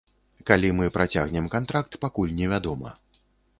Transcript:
Калі мы працягнем кантракт, пакуль невядома.